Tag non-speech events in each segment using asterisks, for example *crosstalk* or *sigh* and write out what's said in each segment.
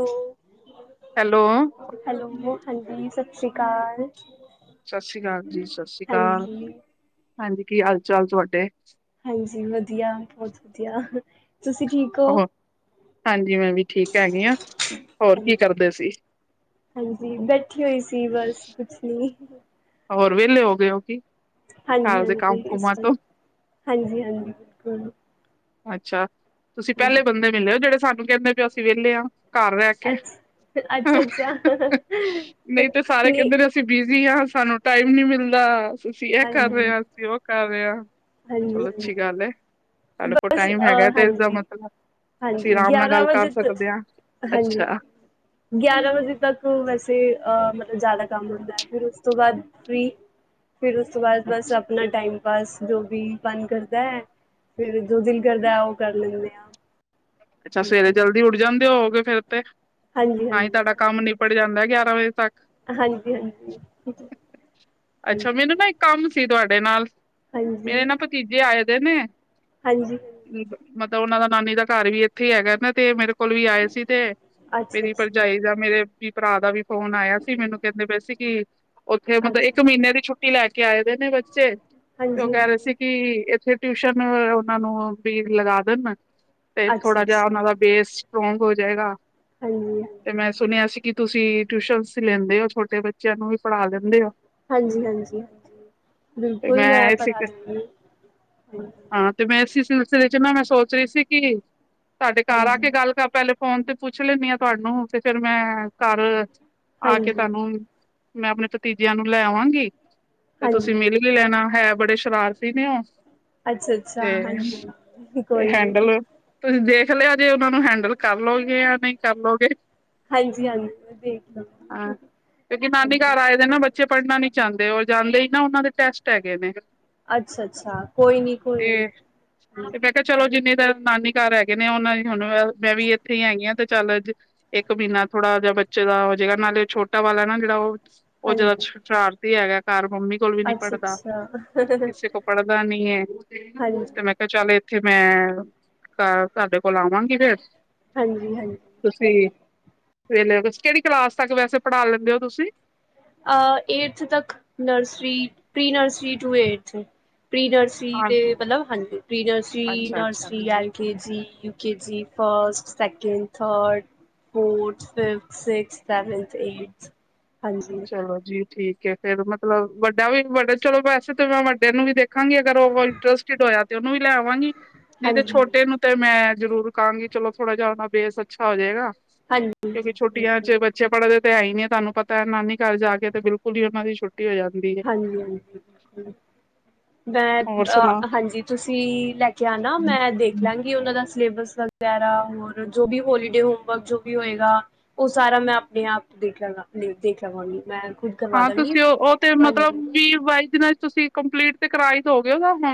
ਹੋ ਹੈਲੋ ਹਾਂਜੀ ਸਤ ਸ੍ਰੀ ਕਾਲ। ਸਸੀਕਾਲ ਜੀ, ਸਸੀਕਾਲ। ਹਾਂਜੀ ਹਾਂਜੀ ਕੀ ਹਾਲ ਚਾਲ ਤੁਆਡੇ? ਹਾਂਜੀ ਵਦੀਆ ਬੋਤ ਵਦੀਆ। ਤੁਸੀ ਠੀਕ ਓ? ਜੀਵੇੈਂ ਵੀ ਠੀਕ ਹੈਗੇ ਆ, ਹੋਰ ਕੀ ਕਰਦੇ ਸੀ? ਹੰਜੀ, ਬੈਠੀ ਹੋਈ ਸੀ ਬਸ ਕੁਛ ਨੀ। ਹੋਰ ਵੇਲੇ ਹੋ ਗਏ ਹੋ ਕੀ? ਹਾਂਜੀ ਘਰ ਦੇ ਹਾਂਜੀ ਕੰਮ ਇਸ ਕੁਮਾਂ ਤਰਾ, ਤੋਂ, ਹਾਂਜੀ ਹਾਂਜੀ ਬਿਲਕੁਲ। ਅੱਛਾ। ਤੁਸੀ ਹਾਂਜੀ ਪੈਲੇ ਬੰਦੇ ਮਿਲੇ ਹੋ ਜਿੜੇ ਸਾਨੂੰ ਕੈਂਦੇ ਵੇ ਹੋ ਅਸੀ ਵੇਲੇ ਆ। ਕਾਰ ਰੈ ਕੇ, ਅੱਛਾ ਅੱਛਾ ਅੱਛਾ ਨਹੀਂ ਤੇ ਸਾਰੇ ਨਹੀਂ ਕੈਂਦੇ ਨੇ ਅਸੀਂ ਬੀਜ ਜੀ ਹਾ ਸਾਨੂੰ ਟਾਈਮ ਨੀ ਮਿਲਦਾ। ਤੁਸੀਂ ਐ ਹਾਂਜੀ ਕਰ ਰਏ ਹਾਂਜੀ ਆ, ਅਸੀ ਓ ਕਰ ਰਏ ਆ। ਚਲੋ ਹਾਂਜੀ ਅੱਛੀ ਗੱਲ ਐ। ਬਸ ਅ ਹਾਂਜੀ, ਅਸੀਂ ਹਾਂਜੀ, ਆਰਾਮ ਨਾਲ ਗਿਆਰਾਂ ਗੱਲ ਕਰ ਵਜੇ ਤ, ਸਕਦੇ ਹਾਂ। ਹਾਂਜੀ ਅੱਛਾ, ਗਿਆਰਾਂ ਵਜੇ ਤੱਕ ਵੈਸੇ ਅਹ ਜਾਦਾ ਕੰਮ ਹੁੰਦਾ ਹੈ ਫਿਰ ਉਸ ਤੋਂ ਬਾਦ ਵੀ ਫਿਰ ਉਸ ਤੋਂ ਬਾਦ ਬਸ ਅੱਛਾ। ਆਪਣਾ ਟਾਈਮ ਪਾਸ। ਜੋ ਵੀ ਮਨ ਕਰਦਾ ਐ, ਫਿਰ ਜੋ ਦਿਲ ਕਰਦਾ ਓ ਕਰ ਲੈਂਦੇ ਆਂ। ਅੱਛਾ ਸਵੇਰੇ ਜਲਦੀ ਉੱਠ ਜਾਂਦੇ ਹੋੳਗੇ? ਹਾਂਜੀ ਹਾਂਜੀ ਤਾਂ ਹੀ ਤਾਡਾ ਕੰਮ ਨਿਪਟ ਜਾਂਦਾ। ਗਿਆਰਾਂ ਵਜੇ ਤੱਕ। ਹਾਂਜੀ ਹਾਂਜੀ, ਹਾਂ ਅੱਛਾ ਮੈਨੂੰ ਨਾ ਇੱਕ ਕੰਮ ਸੀ ਤੁਆਡੇ ਨਾਲ। ਮੇਰੇ ਨਾ ਭਤੀਜੇ ਆਏ ਦੇ ਨੇ ਹਾਂਜੀ ਕੀ ਮਤ ਓਨਾਂ ਦਾ ਨਾਨੀ ਦਾ ਘਰ ਵੀ ਏਥੇ ਹੀ ਹੈਗਾ ਨਾ ਤੇ ਮੇਰੇ ਕੋਲ ਵੀ ਆਏ ਸੀ ਤੇ ਅੱਛਾ ਮੇਰੀ ਅੱਛਾ ਪਰਜਾਈ ਦਾ ਮੇਰੇ ਭਰਾ ਦਾ ਵੀ ਫੋਨ ਆਇਆ ਸੀ ਮੈਨੂੰ ਕਹਿੰਦੇ ਪਏ ਸੀ ਕਿ ਉੱਥੇ ਮਤਲਬ ਇੱਕ ਅੱਛਾ ਮਹੀਨੇ ਦੀ ਛੂੱਟ ਕੀ ਲੈ ਕੇ ਆਏ ਦੇ ਨੇ ਬੱਚੇ ਉਹ ਹਾਂਜੀ ਕਹਿ ਰਹੇ ਹਾਂਜੀ ਸੀ ਕਿ ਇੱਥੇ ਟਿਊਸ਼ਨ ਉਹਨਾਂ ਨੂੰ ਪੇਡ ਲਗਾ ਦੇਣ ਅੱਛਾ ਥੋੜਾ ਜਿਹਾ ਅੱਛਾ ਉਹਨਾਂ ਦਾ ਬੇਸ ਸਟਰੋਂਗ ਹੋ ਜਾਏਗਾ। ਹਾਂਜੀ ਹਾਂਜੀ ਤੇ ਮੈਂ ਸੁਣਿਆ ਸੀ ਕਿ ਤੁਸੀਂ ਟਿਊਸ਼ਨ ਲੈਂਦੇ ਹੋ। ਛੋਟੇ ਬੱਚਿਆਂ ਨੂੰ ਵੀ ਪੜ੍ਹਾ ਦਿੰਦੇ ਹੋ ਹਾਂਜੀ ਹਾਂਜੀ, ਤੇ ਬਿਲਕੁਲ ਮੈਂ ਇਸ ਪੜ੍ਹਾ ਦੇਨੀ ਹਾਂ। ਤੇ ਮੈਂ ਇਸ ਸਿਲਸਿਲੇ ਚ ਮੈਂ ਨਾ ਸੋਚ ਰਹੀ ਸੀ ਕਿ ਤਾਡੇ ਘਰ ਆ ਹਾਂਜੀ ਕੇ ਗੱਲ ਕਰ ਪਹਿਲੇ ਫੋਨ ਤੇ ਪੁੱਛ ਲੈਂਨੀ ਆਂ ਤੁਆਨੂੰ ਤੇ ਫਿਰ ਮੈਂ, ਘਰ ਆ ਕੇ ਹਾਂਜੀ ਹਾਂਜੀ ਤਾਨੂੰ ਮੈਂ ਆਪਣੇ ਭਤੀਜਿਆਂ ਨੂੰ ਲੈ ਆਵਾਂਗੀ ਤੇ ਤੁਸੀਂ ਹਾਂਜੀ ਮਿਲ ਵੀ ਲੈਣਾ ਹੈ ਬੜੇ ਸ਼ਰਾਰਤੀ ਨੇ ਉਹ ਅੱਛਾ ਅੱਛਾ ਤੇ ਹਾਂਜੀ ਕੋਈ ਨੀ ਹੈਂਡਲ ਤੁਸੀਂ ਦੇਖ ਲਿਆ ਜੇ ਉਹਨਾਂ ਨੂੰ ਹੈਂਡਲ ਕਰ ਲਓਗੇ ਜਾਂ ਨਹੀਂ ਕਰਲੋਗੇ ਹਾਂਜੀ ਹਾਂਜੀ ਮ ਦੇਖ ਹਾਂ ਲਵ ਕਿਉਂਕਿ ਨਾਨੀ ਹਜੀ ਘਰ ਆਏ ਦੇ ਨਾ ਬੱਚੇ ਪੜ੍ਹਨਾ ਨੀ ਚਾਹੁੰਦੇ ਜਾਂਦੇ ਹੀ ਨਾ ਉਹਨਾਂ ਦੇ ਟੈਸਟ ਹੈਗੇ ਨੇ ਅੱਛਾ ਅੱਛਾ ਕੋਈ ਨੀ ਕੋਈ ਤੇ ਨੀ ਤੇ ਮੈਂ ਕਿਹਾ ਚਲੋ ਜਿੰਨੇ ਨਾਨੀ ਘਰ ਹੈਗੇ ਨੇ ਉਹ ਹੁਣ ਮੈਂ ਵੀ ਇੱਥੇ ਹੀ ਹੈਗੀ ਹਾਂ ਤੇ ਚੱਲ ਇੱਕ ਮਹੀਨਾ ਥੋੜਾ ਜਿਹਾ ਬੱਚੇ ਦਾ ਹੋ ਜਾੇਗਾ ਨਾਲੇ ਉਹ ਛੋਟਾ ਵਾਲਾ ਨਾ ਜਿਹੜਾ ਉਹ ਉਹ ਜਦਾ ਹਾਂਜੀ ਸ਼ਾਰਤੀ ਹੈਗਾ ਘਰ ਮੰਮੀ ਕੋਲ ਵੀ ਨਹੀਂ ਅੱਛਾ ਪੜ੍ਹਦਾ ਅੱਛਾ ਕਿਸੇ ਕੋਲ ਪੜ੍ਹਦਾ ਨਹੀਂ *inaudible* ਬਸ ਹਾਂਜੀ ਮੈਂ ਕਿਹਾ ਚਲ ਫਿਰ ਮੈਂ ਸਾਡੇ ਕੋਲ ਆਵਾਂਗੀ ਫੇਰ ਹਾਂਜੀ ਹਾਂਜੀ ਤੁਸੀਂ ਕਿਹੜੀ ਕਲਾਸ ਤੱਕ ਵੈਸੇ ਪੜ੍ਹਾ ਲੈਂਦੇ ਹੋ ਤੁਸੀਂ ਅ ਏਟਥ ਤੱਕ nursery pre nursery to eighth pre nursery ਹਾਂ ਦੇ ਮਤਲਬ ਹਾਂਜੀ ਪ੍ਰੀਨਰਸਰੀ ਅੱਛਾ ਅੱਛਾ nursery L K G U K G first, second, third, fourth, fifth, sixth, seventh, eighth, ਹਾਂਜੀ ਚਲੋ ਜੀ ਠੀਕ ਹੈ ਫੇਰ ਮਤਲਬ ਵੱਡਾ ਵੀ ਵੱਡਾ ਚਲੋ ਵੈਸੇ ਤੇ ਮੈਂ ਵੱਡੇ ਨੂੰ ਵੀ ਦੇਖਾਂਗੀ ਇੰਟਰਸਟਡ ਹੋਇਆ ਤੇ ਉਹਨੂੰ ਵੀ ਲੈ ਆਵਾਂਗੀ ਨਹੀਂ ਤੇ ਹਾਂਜੀ ਹਾਂਜੀ ਛੋਟੇ ਨੂੰ ਤੇ ਮੈਂ ਜ਼ਰੂਰ ਕਹਾਂਗੀ ਚਲੋ ਥੋੜਾ ਜਿਹਾ ਉਹਣਾ ਬੇਸ ਅੱਛਾ ਹੋ ਜਾਏਗਾ ਹਾਂਜੀ ਹਾਂਜੀ ਕਿਉਂਕਿ ਛੁਟੀਆਂ ਬਿਲਕੁਲ ਚ ਬੱਚੇ ਪੜ੍ਹਦੇ ਤੇ ਹੈ ਹੀ ਨਹੀਂ ਤੁਹਾਨੂੰ ਪਤਾ ਨਾਨੀ ਘਰ ਜਾ ਕੇ ਤੇ ਬਿਲਕੁਲ ਹੀ ਉਹਨਾਂ ਦੀ ਛੁੱਟੀ ਹੋ ਜਾਂਦੀ ਹੈ ਹਾਂਜੀ, ਹਾਂਜੀ ਮੈਂ ਹੋਰ ਸੁਣਾ ਅ ਹਾਂਜੀ ਤੁਸੀਂ ਲੈ ਕੇ ਆਣਾ ਮੈਂ ਦੇਖ ਲਾਂਗੀ ਉਹਨਾਂ ਦਾ ਸਿਲੇਬਸ ਵਗੈਰਾ ਹੋਰ ਜੋ ਵੀ ਹੋਲੀਡੇ ਹੋਮ ਵਰਕ ਜੋ ਵੀ ਹੋਏਗਾ ਉਹ ਸਾਰਾ ਮੈਂ ਆਪਣੇ ਆਪ ਦੇਖ ਲ ਦੇਖ ਲਵਾਂਗੀ ਮੈਂ ਖੁਦ ਕਰਵਾ ਹਾਂ ਦਾਂਗੀ ਤੁਸੀਂ ਉਹ ਉਹ ਤੇ ਮ ਲ ਹਾਂਜੀ ਵੀਹ ਬਾਈ ਦਿਨਾਂ ਤੁਸੀਂ ਕੰਪਲੀਟ ਤੇ ਕਰਵਾਾਈ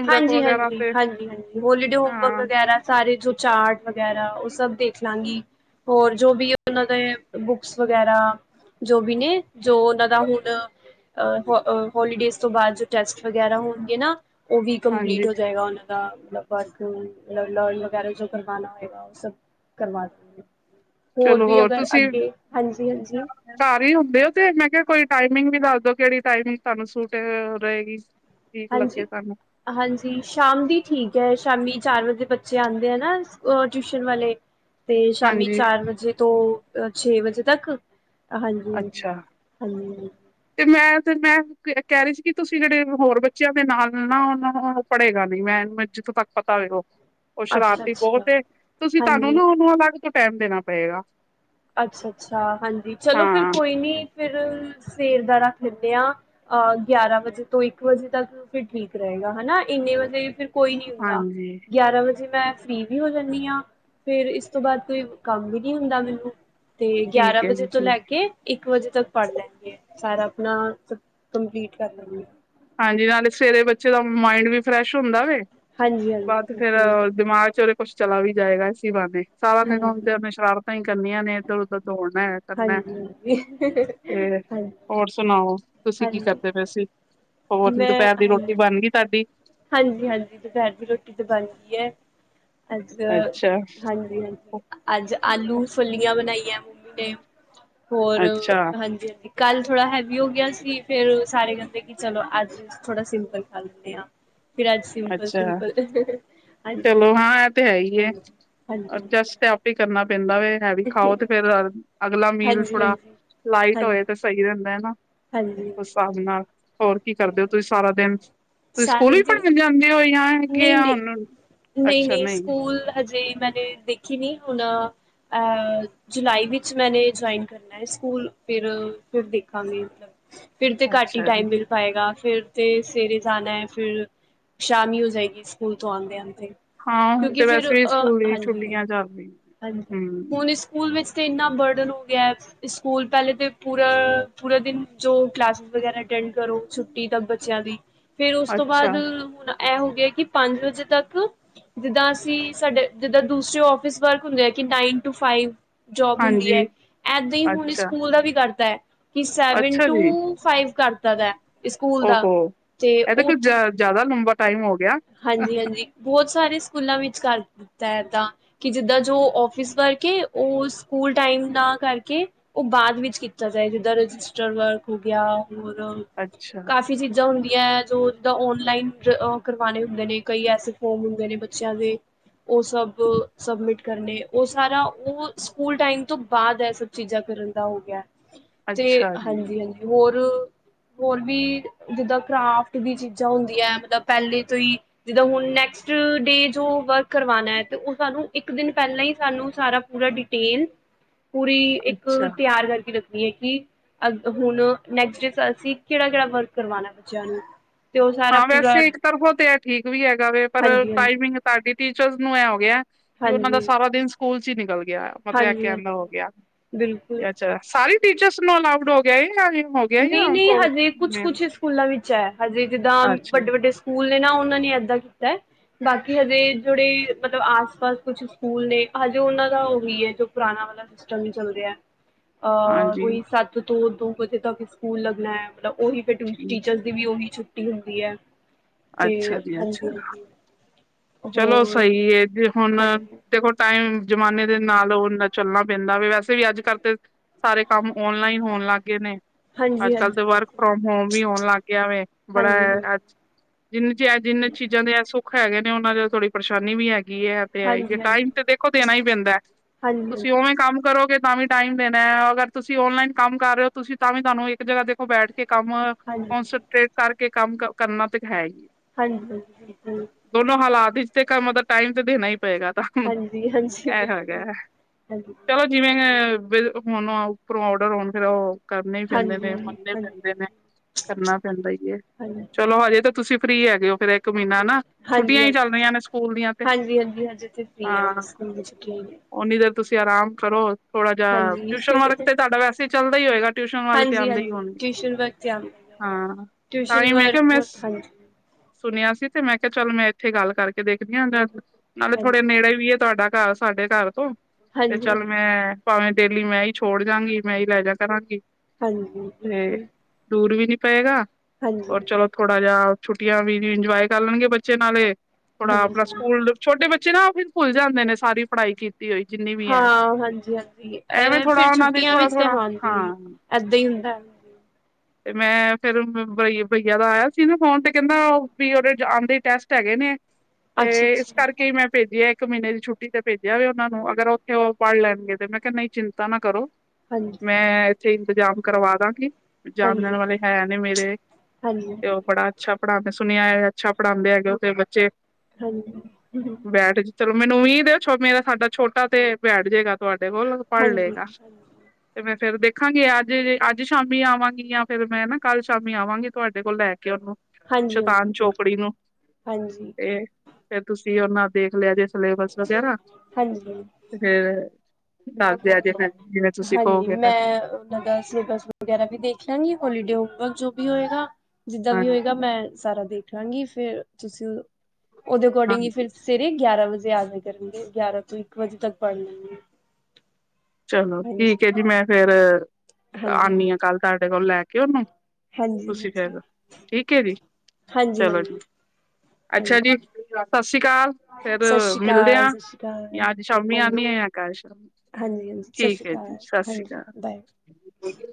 ਹਾਂਜੀ ਹਾਂਜੀ ਹਾਂਜੀ ਹਾਂਜੀ ਹੋਲੀਡੇ ਹੋਮਵਰਕ ਹਾਂ ਵਗੈਰਾ ਸਾਰੇ ਜੋ ਚਾਰਟ ਵਗੈਰਾ, ਓ ਸਭ ਦੇਖ ਲਾਂਗੀ ਹੋਰ ਜੋ ਵੀ ਓਨਾਂ ਦੇ ਬੁਕਸ ਵਗੈਰਾ ਜੋ ਵੀ ਨੇ ਜੋ ਓਨਾਂ ਦਾ ਹੁਣ ਅ ਹੋ ਹੋਲੀਡੇਸ ਤੋਂ ਬਾਦ ਜੋ ਟੈਸਟ ਵਗੈਰਾ ਹੋਣਗੇ ਨਾ ਉਹ ਵੀ ਕੰਪਲੀਟ ਹਾਂਜੀ ਹੋ ਜਾਏਗਾ ਓਨਾਂ। ਮਤਬਲ ਥੁ ਮਤਲਬ ਲਰਨ ਵਗੈਰਾ ਜੋ ਕਰਵਾਨਾ ਹੋਏਗਾ ਓ ਸਭ ਕਰਵਾ ਚਲੋ ਵੀ ਹੋਰ ਅਗਰ ਤੁਸੀਂ, ਅੱਗੇ ਹਾਂਜੀ ਹਾਂਜੀ ਘਰ ਹੀ ਹੁੰਦੇ ਹੋ ਤੇ ਮੈਂ ਕੇਆ ਕੋਈ ਟਾਈਮ ਮੇਨੂ ਵੀ ਦੱਸਦੋ ਕੇੜੀ ਟਾਈਮਿੰਗ ਤਾਨੂੰ ਸੂਟ ਰਹੇਗੀ? ਲੱਗੇ ਹਾਂਜੀ, ਤੁਹਾਨੂੰ ਹਾਂਜੀ ਸ਼ਾਮ ਦੀ ਠੀਕ ਐ। ਸ਼ਾਮੀ ਚਾਰ ਵਜੇ ਬੱਚੇ ਆਂਦੇ ਆ ਨਾ ਓ ਟਿਊਸ਼ਨ ਵਾਲੇ। ਤੇ ਸ਼ਾਮੀ ਹਾਂਜੀ ਚਾਰ ਵਜੇ ਤੋ ਅ ਛੇ ਵਜੇ ਤੱਕ। ਹਾਂਜੀ, ਅੱਛਾ ਹਾਂਜੀ। ਤੇ ਮੈਂ ਤੇ ਮੈਂ ਕੈਅ ਰਹੀ ਸੀ ਕਿ ਤੁਸੀਂ ਜਿੜੇ ਹੋਰ ਬੱਚਿਆਂ ਦੇ ਨਾਲ ਨਾ ਓ ਪੜੇਗਾ ਨੀ, ਮੈਂ ਜਿੱਥੋਂ ਤੱਕ ਪਤਾ ਵੇ ਓ। ਓ ਅੱਛਾ ਸ਼ਰਾਰਤੀ ਬੋਹਤ ਅੱਛਾ ਏ, ਤੁਸੀਂ ਤੁਹਾਨੂੰ ਹਾਂਜੀ। ਨਾ ਓਨੂੰ ਅਲੱਗ ਕੀ ਟਾਈਮ ਦੇਨਾ ਪਏਗਾ? ਅੱਛਾ ਅੱਛਾ, ਹਾਂਜੀ, ਚਲੋ ਫਿਰ ਹਾਂ ਕੋਈ ਨ ਫਿਰ ਸਵੇਰ ਦਾ ਰੱਖ ਲੇਨੇ ਆ, ਅਹ ਗਿਆਰਾਂ ਵਜੇ ਤੋਂ ਇੱਕ ਵਜੇ ਤੱਕ ਫਿਰ ਠੀਕ ਰਹੇਗਾ ਹਨਾ ਇੰਨੇ ਵਜੇ ਫਿਰ ਕੋਈ ਨਹੀ ਹੁੰਦਾ, ਹਾਂਜੀ ਗਿਆਰਾਂ ਵਜੇ ਮੈਂ ਫ੍ਰੀ ਵੀ ਹੋ ਜਾਂਦੀ ਆਂ, ਫੇਰ ਇਸ ਤੋਂ ਬਾਦ ਕੋਈ ਕੰਮ ਵੀ ਨੀ ਹੁੰਦਾ ਮੈਨੂੰ। ਤੇ ਗਿਆਰਾਂ ਠੀਕ ਹੈ ਵਜੇ ਜੀ ਤੋਂ ਲੈ ਠੀਕ ਕੇ ਇੱਕ ਵਜੇ ਤੱਕ ਪੜ ਲੈਂਨ ਗੇ ਸਾਰਾ ਨਾ ਕੰਪਲੀਟ ਕਰ ਲਵੀ। ਹਾਂਜੀ ਨਾਲੇ ਸਵੇਰੇ ਬੱਚੇ ਦਾ ਮਾਇੰਡ ਵੀ ਫਰੈਸ਼ ਹੁੰਦਾ ਵੇ। ਹਾਂਜੀ-ਹਾਂਜੀ ਬਾਦ ਫੇਰ ਬਿਲਕੁਲ ਦਿਮਾਗ ਚਰੇ ਕੁੱਛ ਚਲਾ ਵੀ ਜਾਏਗਾ ਇਸੀ ਬਾਂਨੇ। ਸਾਰਾ ਦਿਨ ਹਾਂਜੀ। ਹੁੰਦੇ ਐਨੇ ਸ਼ਰਾਰ ਤਾ ਹੀ ਕਰਨੀਆਂ ਨੇ ਐਧਰ-ਓਧਰ। ਦੌੜਨਾ ਐ ਕਰਨਾ, ਹਾਂਜੀ-ਹਾਂਜੀ, ਤੇ ਹੋਰ ਹਾਂਜੀ-ਹਾਂਜੀ ਸੁਨਾਓ ਤੁਸੀਂ ਕੀ ਕਰਦੇ ਪਏ ਸੀ? ਹੋਰ ਮੈਂ ਦੁਪੈਰ ਦੀ ਰੋਟੀ ਬਨ ਗਈ ਤਾਡੀ? ਹਾਂਜੀ, ਹਾਂਜੀ, ਦੁਪੈਰ ਦੀ ਰੋਟੀ ਤੇ ਬਨ ਗਈ ਐ। ਅੱਜ, ਅੱਛਾ ਹਾਂਜੀ ਹਾਂਜੀ, ਅੱਜ ਆਲੂ ਫੱਲੀਆਂ ਬਨਾਈਐ। ਤੇ ਹੋਰ, ਅੱਛਾ ਹਾਂਜੀ ਹਾਂਜੀ ਕੱਲ ਥੋੜਾ ਹੈਵੀ ਹੋ ਗੇਆ ਸੀ ਫਿਰ ਸਾਰੇ ਕੈਂਦੇ ਕਿ ਚਲੋ ਅੱਜ ਥੋੜਾ ਸਿੰਪਲ ਖਾ ਲੈਂਨੇ ਆ। ਅੱਛਾ ਚਲੋ ਹਾਂ ਇਹ ਤੇ ਹੈ ਹੀ ਹੈ ਹਾਂਜੀ-ਹਾਂਜੀ-ਹਾਂਜੀ ਅਡਜਸਟ ਤੇ ਆਪੀ ਕਰਨਾ। ਪੈਂਦਾ ਵੀ ਹੈ ਹੈਵੀ ਖਾਓ ਤੇ ਫੇਰ। ਅਗਲਾ ਮੀਲ ਥੋੜਾ ਲਾਈਟ ਹੋਏ ਤੇ ਹਾਂਜੀ-ਹਾਂਜੀ-ਹਾਂਜੀ-ਹਾਂਜੀ-ਹਾਂਜੀ ਸਹੀ ਰਹਿੰਦਾ ਹਨਾ। ਕੁਛ ਆ ਜਿਨਾਕ ਕੀ ਕਰਦੇ ਹੋ ਤੁਸੀਂ ਸਾਰਾ ਦਿਨ ਤੁਸੀਂ ਸਕੂਲ ਵੀ ਪੜ੍ਹ। ਕੇ ਜਾਂਦੇ ਹੋਏ ਯਾਰ। ਨਹੀਂ ਨਹੀਂ ਨਹੀਂ ਨਹੀਂ ਸਕੂਲ। ਹਜੇ ਮੈਨੇ ਦੇਖੀ ਨੀ ਹੁਣ ਅ ਜੁਲਾਈ ਵਿੱਚ ਮੈਨੇ ਜੁਆਇਨ ਕਰਨਾ ਹੈ ਸਕੂਲ ਫਿਰ ਫਿਰ ਦੇਖਾਂਗੇ ਮਤਲਬ। ਫਿਰ ਤੇ ਘੱਟ ਹੀ ਅੱਛਾ ਜੀ, ਟਾਈਮ ਮਿਲ ਪਾਏਗਾ। ਫੇਰ ਤੇ ਸਵੇਰੇ ਜਾਣਾ ਹੈ ਫਿਰ ਸ਼ਾਮੀ ਉਸ। ਜਾਏਗੀ ਸਕੂਲ ਤੋਂ ਆਉਦੇ ਆਉਦੇ। ਹਾਂ ਹੁਣ ਤੇ ਵੈਸੇ ਵੀ ਸਕੂਲ ਦੀ ਛੁੱਟੀਆਂ ਚੱਲ ਰਹੀਆਂ ਨੇ ਹਾਂਜੀ ਹੂੰ। ਹੁਣ ਸਕੂਲ ਵਿੱਚ ਤੇ ਇੰਨਾ ਬਰਡਨ ਹੋ ਗਿਆ ਸਕੂਲ ਪਹਿਲੇ ਤੇ ਪੂਰਾ ਪੂਰਾ ਦਿਨ ਜੋ ਕਲਾਸ ਵਗੈਰਾ ਅਟੈਂਡ ਕਰੋ ਛੁੱਟੀ ਤੱਕ ਬੱਚਿਆਂ ਦੀ। ਫੇਰ ਉਸ ਤੋਂ ਅੱਛਾ ਬਾਅਦ ਹੁਣ। ਐਂ ਹੋ ਗਇਆ। ਕਿ ਪੰਜ ਵਜੇ ਤੱਕ ਜਿੱਦਾਂ ਅਸੀਂ ਸਾਡੇ ਜਿੱਦਾਂ ਦੂਸਰੇ ਔਫਸ ਵਰਕ ਹੁੰਦੇ ਆ ਕਿ ਨਾਈਨ ਟੂ ਫਾਈਵ। ਜੋਬ ਹੁੰਦੀ ਹੈ ਹਾਂਜੀ, ਏਦਾਂ ਹੀ ਹੁਣੀ ਅੱਛਾ, ਸਕੂਲ ਦਾ ਵੀ ਕਰਤਾ ਹੈ। ਕਿ ਸੈਵਨ ਟੂ ਫਾਈਵ ਕਰ। ਤਦ ਐ। ਉਹੋ ਇਹਦੇ ਕੋ ਜ਼ਿਆਦਾ ਲੰਬਾ। ਟਾਈਮ ਹੋ। ਗਿਆ, ਹਾਂਜੀ ਹਾਂਜੀ ਬੋਤ ਸਾਰੇ ਸਕੂਲਾਂ ਵਿੱਚ ਕਰ ਦਿੱਤਾ ਏਦਾਂ ਕਿ ਜਿਦਾਂ ਜੋ ਔਫਸ ਵਰਕ ਹੈ ਉਹ ਸਕੂਲ ਟਾਈਮ ਨਾ ਕਰਕੇ ਉਹ ਬਾਅਦ ਵਿੱਚ ਕੀਤਾ ਜਾਏ ਜਿਦਾਂ ਰਜਿਸਟਰ ਵਰਕ ਹੋ ਗਿਆ ਹੋਰ ਅੱਛਾ, ਕਾਫੀ ਚੀਜ਼ਾਂ ਹੁੰਦੀ। ਹੁੰਦੀਆਂ ਜੋ ਜਿੱਦਾ ਔਨਲਾਈਨ। ਹੁੰਦੇ ਨੇ ਕਈ ਐਸੇ ਫੋਮ ਹੁੰਦੇ ਨੇ ਬੱਚਿਆਂ ਦੇ ਉਹ ਸਭ ਸਬਮਿਟ ਕਰਨੇ ਉਹ ਸਾਰਾ ਉਹ ਸਕੂਲ ਟਾਈਮ ਤੋਂ ਬਾਅਦ ਇਹ ਸਬ ਚੀਜ਼ਾਂ ਕਰਨ ਦਾ ਹੋ ਗਿਆ ਹੈ। ਤੇ ਅੱਛਾ ਜੀ, ਹਾਂਜੀ ਹਾਂਜੀ ਹੋਰ। ਹੋਰ ਵੀ ਜਿੱਦਾਂ ਕਰਾਫਟ ਦੀ ਚੀਜ਼ਾਂ ਹੁੰਦੀਆਂ ਮਤਲਬ ਪਹਿਲੇ। ਤੋਂ ਹੀ ਜਿਦਾ ਹੁਣ ਨੈਕਸਟ ਡੇ ਜੋ ਵਰਕ ਕਰਵਾਨਾਂ ਤਾਂ ਉਹ ਸਾਨੂੰ ਇੱਕ ਦਿਨ ਪਹਿਲਾਂ ਹੀ ਸਾਨੂੰ ਸਾਰਾ ਪੂਰਾ ਡਿਟੇਲ। ਪੂਰੀ ਇੱਕ ਅੱਛਾ ਤਿਆਰ ਕਰਕੇ ਰੱਖ। ਹੁੰਦੀ ਹੈ ਕਿ ਅ ਹੁਣ ਨੈਕਸਟ ਡੇ ਅਸੀਂ ਕਿਹੜਾ ਕਿਹੜਾ ਵਰਕ ਕਰਵਾਉਣਾ ਬੱਚਿਆਂ ਨੂੰ। ਤੇ ਉਹ ਸਾਰਾ ਹਾਂ ਪੂਰਾ ਵੈਸੇ ਇੱਕ ਤਰਫੋਂ ਤੇ ਐ ਠੀਕ ਵੀ ਹੈਗਾ ਵੇ ਪਰ ਹਾਂਜੀ ਹਾਂਜੀ ਟਾਈਮਿੰਗ ਤਾਡੀ ਟਿ ਚਜ਼ ਨੂੰ ਐਹ ਹੋ ਗਿਆ ਕਿ ਓਨਾ ਦਾ ਹਾਂਜੀ ਸਾਰਾ ਦਿਨ ਸਕੂਲ ਚ ਨਿਕਲ ਗੇਆ ਮਤਬ ਐ ਹਾਂਜੀ ਕੈਨ ਦਾ ਹੋ ਹਾਂਜੀ ਗਿਆ, ਬਿਲਕੁਲ ਤੇ ਅੱਛਾ ਸਾਰੀ ਟੀਚਰਸ ਨੂੰ ਅਲਾਓਡ ਹੋ ਗੇਆ ਏ *unintelligible* ਨਈ ਨਈ ਹਜੇ ਕੁਛ ਕੁਛ ਸਕੂਲਾਂ ਵਿੱ ਚ ਐ। ਹਜੇ ਜਿੱਦਾਂ ਅੱਛਾ, ਵੱਡੇ ਵੱਡੇ ਸਕੂਲ ਸਕੂਲੇ ਨਾ ਓਨਾਂ ਨੇ ਏਦਾਂ ਕੀਤੈ, ਬਾਕੀ ਹਜੇ ਜਿੜੇ ਮਤਲਬ ਆਸ-ਪਾਸ ਕੁਛ ਸਕੂਲ ਨੇ ਹਜੇ ਓਨਾਂ ਦਾ ਓਹ ਹੀ ਹੈ ਜੋ ਪੁਰਾਣਾ ਵਾਲਾ ਸਿਸਟਮ ਹੀ ਚਲ ਰਿਹਾ। ਅਹ ਹਾਂਜੀ ਓਹੀ ਸੱਤ ਤੋਂ ਦੋ ਵਜੇ ਤੱਕ ਸਕੂਲ ਲੱਗਣਾ ਐ ਮਲਬ ਓਹੀ ਫਿਰ ਠੀਕ ਟੀਚਰ ਹੈ, ਦੀ ਵੀ ਉਹੀ ਛੁ ਛੁਟੀ ਹੁੰਦੀ ਐ। ਤੇ, ਅੱਛਾ ਜੀ ਅੱਛਾ। ਹਾਂਜੀ ਹਾਂਜੀ। ਚਲੋ ਸਹੀ ਐ ਫਿਰ ਹੁਨ ਦੇਖੋ ਟਾਈਮ ਜ਼ਮਾਨੇ ਦੇ ਨਾਲ ਓਨ ਚੱਲਣਾ ਪੈਂਦਾ ਵੇ, ਵੈਸੇ ਵੀ ਅੱਜ-ਕੱਲ ਤੇ ਸਾਰੇ ਕੰਮ ਓਨਲਾਈਨ ਹੋਣ ਲੱਗ ਗਏ ਨੇ। ਅੱਜ-ਕੱਲ ਤਾਂ ਹਾਂਜੀ-ਹਾਂਜੀ-ਹਾਂਜੀ ਵਰਕ ਫਰੋਮ ਹੋਮ ਵੀ ਹੋਣ ਲੱਗ ਗਿਆ ਵੇ, ਬਿਲਕੁਲ ਬੜਾ ਅੱ ਜਿਨ ਚ ਜਿੰਨਾ ਚੀਜ਼ਾਂ ਦੇ ਐ ਸੋ ਹੈਗੇ ਓਨਾਂ ਦੀ ਥੋੜੀ ਪਰੇਸ਼ਾਨੀ ਵੀ ਹੈ ਹੈਗੀ ਐ ਤੇ ਹੈ, ਹਾਂਜੀ-ਹਾਂਜੀ, ਹਾਂਜੀ-ਹਾਂਜੀ, ਟਾਈਮ ਤੇ ਦੇਖੋ ਦੇਣਾ ਹੀ ਪੈਂਦਾ ਹਾਂਜੀ-ਹਾਂਜੀ, ਤੁਸੀਂ ਓਵੇਂ ਕੰਮ ਕਰੋਗੇ ਤਾਂ ਵੀ ਟਾਈਮ ਦੇਨਾ ਐ, ਅਗਰ ਤੁਸੀਂ ਔਨਲਾਈਨ ਕੰਮ ਕਰ ਰਏ ਓ ਤੁਸੀਂ ਤਾਂ ਵੀ ਤਾਨੂੰ ਦੇਖੋ ਇਕ ਜਗਾ ਬੈਠ ਕੇ ਕੰਮ ਹਾਂਜੀ-ਹਾਂਜੀ, ਕੋਂਸਟਰੇੇਟ ਕਰ ਕੇ ਕੇ ਕੰਮ ਕਰਨਾ ਤੇ ਹੈ ਹੀ। ਹਾਂਜੀ, ਹੂੰ। ਦੋਨੋ ਹਾਲਾਤ ਵਿੱਚ ਤੇ ਮਤਬ ਟਾਈਮ ਤੇ ਦੇਨਾ ਹੀ ਪਏਗਾ ਤਾਂ ਹੁ, ਹਾਂਜੀ ਹਾਂਜੀ ਐਹ ਬਿਲਕੁਲ ਹੈਗਾ ਹਾਂਜੀ ਚਲੋ ਜਿਵੇਂ ਹੁਨ ਓਪਰੋਂ ਓਡਰ ਹੋਨ ਫੇਰ ਉਹ ਕਰਨੇ ਹੀ ਪੈਂਦੇ ਹਾਂਜੀ ਨੇ ਮਨਨੇ ਹਾਂਜੀ ਪੈਂਦੇ ਨੇ, ਕਰਨਾ ਪੈਂਦਾ ਈ ਏ, ਹਾਂਜੀ ਚਲੋ ਹਜੇ ਤਾਂ ਤੁਸੀਂ ਫਰੀ ਹੈਗੇ ਓ ਫੇਰ ਇੱਕ ਮੀਨਾ ਨਾ। ਹਾਂਜੀ ਛੁੱਟੀਆਂ ਹੀ ਹਾਂਜੀ, ਚੱਲ ਰਹੀਆਂ ਨੇ ਸਕੂਲ ਦੀਆਂ ਤੇ ਹਾਂਜੀ ਹਾਂਜੀ ਹਜੇ ਤੇ ਫ੍ਰੀ ਆ ਹਾਂ ਸਕੂਲ ਓਨੀ ਦੇਰ ਤੁਸੀਂ ਆਰਾਮ ਕਰੋ। ਥੋੜਾ ਜਿਹਾ, ਹਾਂਜੀ ਟਿਊਸ਼ਨ ਵਰਕ ਤੇ ਹਾਂਜੀ ਤੁਹਾਡਾ ਵੈਸੇ ਹੀ ਚੱਲਦਾ ਹੀ ਹੋਏਗਾ ਟਿਊਸ਼ਨ ਵਾਲੇ ਤੇ ਆਉਂਦੇ ਹੀ ਹਾਂਜੀ ਹੋਣਗੇ। ਟਿਊਸ਼ਨ ਵਰਕ ਤੇ ਆਉਂਦਾ ਹੈ ਹਾਂ ਟਿਊਸ਼ਨ ਟਾਈ ਮੈੰ ਕਿਹਾ ਵਰਕ ਮੈੰ ਹਾਂਜੀ ਸੁਣਿਆ ਸੀ ਤੇ ਮੈਂ ਚੱਲ ਮੈਂ ਇੱਥੇ ਗੱਲ ਕਰਕੇ ਦੇਖਦੀ ਆ ਨਾਲੇ ਹਾਂਜੀ ਹਾਂਜੀ ਥੋੜੇ ਨੇੜੇ ਵੀ ਏ ਤੁਹਾਡਾ ਘਰ ਸਾਡੇ ਘਰ ਤੋਂ। ਤੇ ਹਾਂਜੀ ਚਲ ਮੈਂ ਭਾਵੇਂ ਡੇਲੀ ਮੈਂ ਹੀ ਛੋੜ ਜਾਂਗੀ। ਮੈਂ ਹੀ ਲੈ ਜਾ ਕਰਾਂਗੀ। ਹਾਂਜੀ ਤੇ ਬਿਲਕੁਲ। ਦੂਰ ਵੀ ਨੀ ਪਏਗਾ। ਹਾਂਜੀ ਹੋਰ ਚਲੋ ਥੋੜਾ ਜਿਹਾ ਛੁੱਟੀਆਂ ਵੀ ਇੰਜੋਏ ਕਰ ਕਰ ਲੈਣਗੇ ਬੱਚੇ ਨਾਲੇ ਥੋੜਾ ਹਾਂਜੀ ਆਪਣਾ ਸਕੂਲ, ਛੋਟੇ ਬੱਚੇ ਨਾ ਉਹ ਵੀ ਭੁੱਲ ਜਾਂਦੇ ਨੇ ਸਾਰੀ ਪੜ੍ਹਾਈ ਕੀਤੀ ਹੋਈ ਜਿੰਨੀ ਵੀ ਹੈ ਹਾਂ, ਹਾਂਜੀ। ਹਾਂਜੀ। ਐਵੇਂ ਇਹ ਥੋੜਾ ਫਿਰ ਉਹਨਾਂ ਦੀ ਛੁੱਟੀਆਂ ਥੋੜਾ ਵਿੱਚ ਤੇ ਥੋੜਾ ਹਾਂਜੀ ਹਾਂ ਏਦਾਂ ਹੀ ਹੁੰਦਾ। ਹਾਂਜੀ। ਤੇ ਮੈਂ ਫਿਰ ਬਈ, ਭਈਆ ਦਾ ਆਇਆ ਸੀ ਨਾ ਫੋਨ ਤੇ ਕਹਿੰਦਾ ਵੀ ਉਹਦੇ ਆਉਂਦੇ ਟੈਸਟ ਹੈਗੇ ਨੇ। ਅੱਛਾ ਤੇ ਇਸ ਅੱਛਾ ਕਰਕੇ ਹੀ ਮੈਂ ਭੇਜਿਆ ਇੱਕ ਮਹੀਨੇ ਦੀ ਛੁੱਟੀ ਤੇ ਭੇਜਿਆ ਵੇ ਉਹਨਾ ਨੂੰ, ਅਗਰ ਉੱਥੇ ਉਹ ਪੜ੍ਹ ਲੈਣਗੇ ਤੇ ਮੈਂ ਕਿਹਾ ਨਹੀਂ ਚਿੰਤਾ ਨਾ ਕਰੋ। ਹਾਂਜੀ ਮੈਂ ਇੰਤਜ਼ਾਮ ਕਰਵਾ ਦਾਂਗੀ। ਹਾਂਜੀ ਜਾਨਣ ਵਾਲੇ ਹੈ ਨੇ ਮੇਰੇ ਤੇ ਹਾਂਜੀ ਉਹ ਬੜਾ ਅੱਛਾ ਪੜ੍ਹਾਂਦੇ ਸੁਣਿਆ ਹੈ ਅੱਛਾ ਪੜ੍ਹਾਂਦੇ ਹੈਗੇ ਦੋ ਤਿੰਨ ਬੱਚੇ ਹਾਂਜੀ। ਬੈਠ ਚਲੋ ਮੈਨੂੰ ਉਮੀਦ ਹੈ, ਮੇਰਾ ਸਾਡਾ ਛੋਟਾ ਤੇ ਬੈਠ ਜਾਏਗਾ ਤੁਹਾਡੇ ਕੋਲ ਪੜ੍ਹ ਹਾਂਜੀ, ਹਾਂਜੀ, ਲਏਗਾ ਤੇ ਮੈਂ ਫੇਰ ਦੇਖਾਂਗੇ। ਅੱਜੇ, ਅੱਜ ਸ਼ਾਮੀ ਆਵਾਂਗੇ। ਫਿਰ ਮੈਂ ਨਾ ਕੱਲ੍ਹ ਸ਼ਾਮੀ ਆਵਾਂਗੀ ਤੁਹਾਡੇ ਕੋਲ ਲੈ ਕੇ ਉਹਨੂੰ ਹਾਂਜੀ ਸ਼ਤਾਨ ਚੋਪੜੀ ਬਿਲਕੁਲ ਨੂੰ ਹਾਂਜੀ, ਤੇ ਫਿਰ ਤੁਸੀਂ ਉਹ ਨਾ ਦੇਖ ਲਿਆ ਜੇ। ਸਲੇਬਸ ਵਗੈਰਾ ਹਾਂਜੀ। ਤੇ ਫੇਰ ਦੱਸ ਦਿਆ ਜੇ ਫਿਰ ਜਿਵੇਂ ਤੁਸੀਂ ਹਾਂਜੀ ਕਹੋਗੇ ਫਿਰ ਮੈਂ ਉਹਨਾਂ ਦਾ ਸਿਲੇਬਸ ਵਗੈਰਾ ਵੀ ਦੇਖ ਲਾਂਗੀ। ਹੋਲੀਡੇ ਹੋਮਵਰਕ ਜੋ ਵੀ ਹੋਏਗਾ ਜਿੱਦਾਂ ਵੀ ਹੋਏਗਾ ਹਾਂਜੀ ਮੈਂ, ਸਾਰਾ ਦੇਖ ਜਾਂਗੀ ਫੇਰ ਤੁਸੀਂ ਉਹਦੇ ਅਕੋਰਡਿੰਗ ਹੀ ਹਾਂਜੀ ਫਿਰ ਸਵੇਰੇ ਗਿਆਰਾਂ ਵਜੇ ਯਾਦ ਵੀ ਕਰਨਗੇ ਗਿਆਰਾਂ ਤੋਂ ਇੱਕ ਵਜੇ ਤੱਕ ਪੜ ਲੈਨਗੇ। ਚਲੋ ਠੀਕ ਐ ਜੀ ਮੈਂ ਫੇਰ ਹਾਂਜੀ, ਆਨੀ ਹਾਂਜੀ, ਆ ਕੱਲ੍ਹ ਤੁਹਾਡੇ ਕੋਲ ਲੈ ਕੇ ਉਹਨੂੰ ਹਾਂਜੀ, ਤੁਸੀਂ ਹਾਂਜੀ, ਫੇਰ ਠੀਕ ਐ ਜੀ। ਹਾਂਜੀ, ਚਲੋ ਹਾਂਜੀ। ਜੀ। ਅੱਛਾ ਹਾਂਜੀ ਜੀ। *unintelligible* ਸਤਿ ਸ਼੍ਰੀ ਅਕਾਲ। ਫੇਰ ਸਤਿ ਸ਼੍ਰੀ ਮਿਲਦੇ ਅਕਾਲ, ਆ ਸਤਿ ਸ਼੍ਰੀ ਅਕਾਲ। ਯਾ ਅੱਜ ਸ਼ਾਮੀ ਹਾਂਜੀ, ਆਨੀ ਆ ਯਾ ਕਲ ਸ਼ਾਮੀ। ਹਾਂਜੀ, ਹਾਂਜੀ ਸਤਿ ਸ਼੍ਰੀ ਠੀਕ ਐ ਜੀ, ਅਕਾਲ ਸਤਿ ਸ਼੍ਰੀ ਹਾਂਜੀ ਬਾਏ। ਅਕਾਲ।